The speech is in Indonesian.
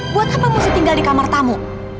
buat apa masih tinggal di kamar tamu